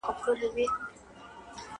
عدالت د سولې او ثبات اساس دی.